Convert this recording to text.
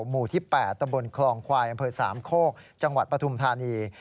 หมู่ที่๘ตำบลคลองควายอำเภอสามโคกจังหวัดปฐุมธานี